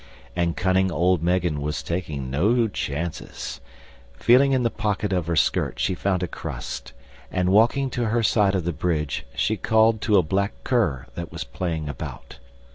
And cunning old Megan was taking no chances. Feeling in the pocket of her skirt she found a crust, and walking to her side of the bridge she called to a black cur that was playing about.